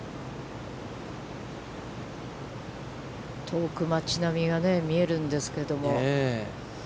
遠く町並みが見えるんですけども。